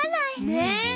ねえ！